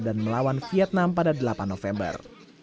dan melawan vietnam pada delapan november